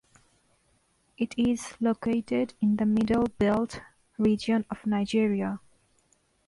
It is located in the Middle Belt region of Nigeria.